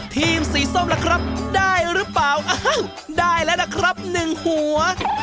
ทีมสีส้มล่ะครับได้หรือเปล่าอ้าวได้แล้วล่ะครับหนึ่งหัว